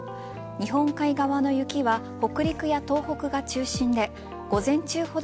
日本海側の雪は北陸や東北が中心で午前中ほど